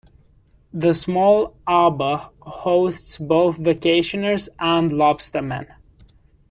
The small harbor hosts both vacationers and lobstermen.